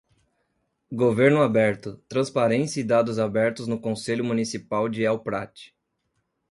Governo aberto, transparência e dados abertos no Conselho Municipal de El Prat.